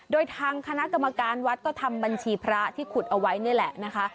โดยทางคณะกรรมการวัดก็ทำบัญชีพระที่ขุดเอาไว้นี่แหละนะคะ